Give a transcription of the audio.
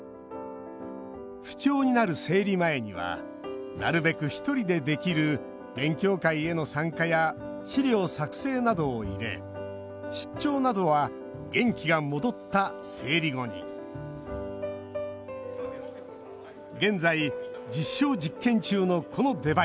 不調になる生理前にはなるべく１人でできる勉強会への参加や資料作成などを入れ出張などは元気が戻った生理後に現在実証実験中のこのデバイス。